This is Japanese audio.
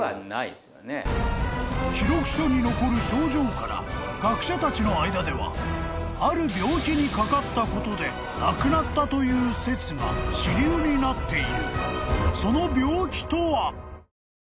［記録書に残る症状から学者たちの間ではある病気にかかったことで亡くなったという説が主流になっている］